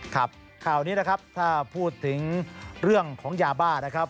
ข่าวนี้นะครับถ้าพูดถึงเรื่องของยาบ้านะครับ